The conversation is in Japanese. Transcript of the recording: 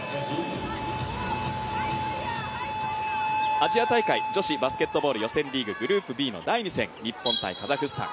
アジア大会女子バスケットボール予選グループＢの第２戦日本×カザフスタン。